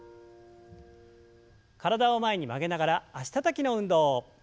体を前に曲げながら脚たたきの運動。